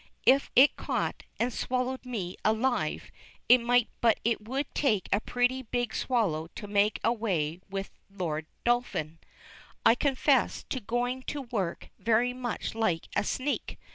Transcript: If it caught and swallowed me alive, it might, but it would take a pretty big swallow to make away with Lord Dolphin. I confess to going to work very much like a sneak.